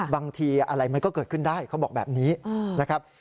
บางทีอะไรมันก็เกิดขึ้นได้เขาบอกแบบนี้นะครับ